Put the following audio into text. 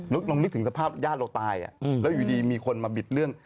ลองนึกถึงสภาพญาติเราตายแล้วอยู่ดีมีคนมาบิดเรื่อง